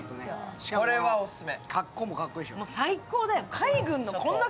これはオススメ！